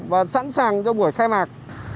và sẵn sàng cho buổi khai mạc